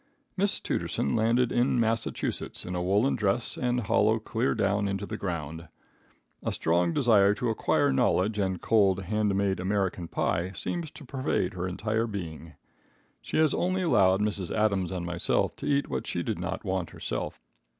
Miss Tooterson landed in Massachusetts in a woolen dress and hollow clear down into the ground. A strong desire to acquire knowledge and cold, hand made American pie seems to pervade her entire being. She has only allowed Mrs. Adams and myself to eat what she did not want herself.